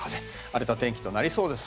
荒れた天気となりそうです。